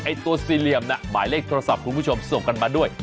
ตัวสี่เหลี่ยมน่ะหมายเลขโทรศัพท์คุณผู้ชมส่งกันมาด้วย